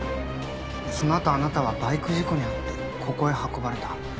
そのあとあなたはバイク事故に遭ってここへ運ばれた。